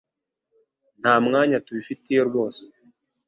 nta mwanya tubifitiye rwose